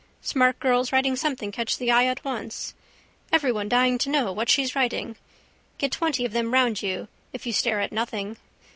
Smart girls writing something catch the eye at once. Everyone dying to know what she's writing. Get twenty of them round you if you stare at nothing.